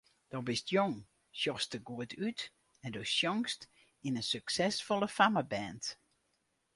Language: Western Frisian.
Do bist jong, sjochst der goed út en do sjongst yn in suksesfolle fammeband.